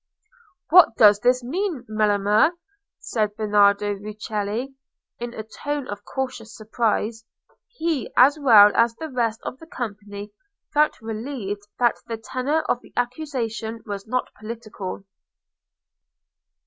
"What does this mean, Melema?" said Bernardo Rucellai, in a tone of cautious surprise. He, as well as the rest of the company, felt relieved that the tenor of the accusation was not political.